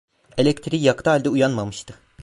Elektriği yaktığı halde uyanmamıştı.